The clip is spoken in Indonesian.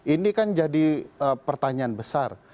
ini kan jadi pertanyaan besar